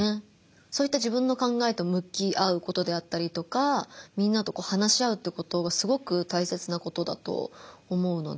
そういった自分の考えと向き合うことであったりとかみんなと話し合うってことがすごく大切なことだと思うので。